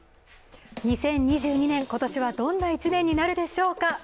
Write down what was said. ２０２２年、今年はどんな一年になるでしょうか。